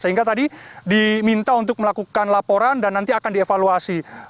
sehingga tadi diminta untuk melakukan laporan dan nanti akan dievaluasi